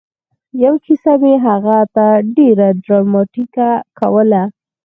یوه کیسه مې هغه ته ډېره ډراماتيکه کوله